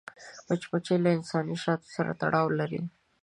مچمچۍ له انساني شاتو سره تړاو لري